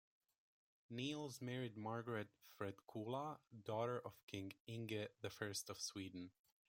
Niels married Margaret Fredkulla, daughter of king Inge I of Sweden.